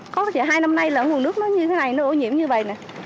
có thì hai năm nay là nguồn nước nó như thế này nó ô nhiễm như vậy này